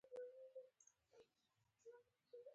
د ټولو جرمونو جزا مریتوب وټاکل شوه.